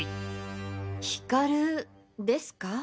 ヒカルですか？